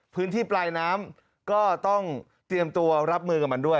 พื้นที่ปลายน้ำก็ต้องเตรียมตัวรับมือกับมันด้วย